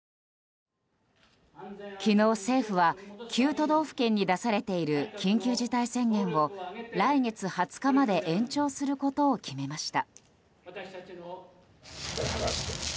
昨日、政府は９都道府県に出されている緊急事態宣言を来月２０日まで延長することを決めました。